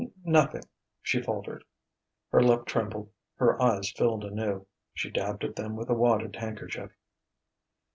"N nothing," she faltered. Her lip trembled, her eyes filled anew. She dabbed at them with a wadded handkerchief.